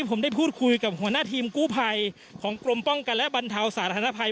ผมได้พูดคุยกับหัวหน้าทีมกู้ภัยของกรมป้องกันและบรรเทาสาธารณภัย